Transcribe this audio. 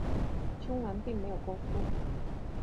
胸篮并没有钩突。